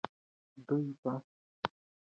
دوی په قانون باندې ډېر ښه پوهېږي.